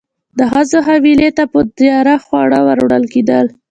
د ښځو حویلۍ ته به تیار خواړه وروړل کېدل.